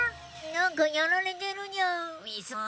なんかやられてるニャン。